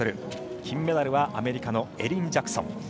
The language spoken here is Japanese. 金メダルはアメリカのエリン・ジャクソン。